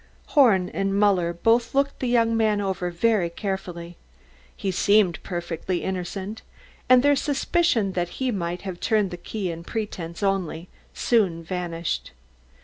Horn and Muller both looked the young man over very carefully. He seemed perfectly innocent, and their suspicion that he might have turned the key in pretense only, soon vanished.